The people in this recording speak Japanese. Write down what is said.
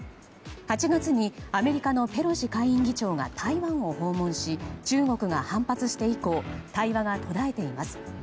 ８月に、アメリカのペロシ下院議長が台湾を訪問し中国が反発して以降対話が途絶えています。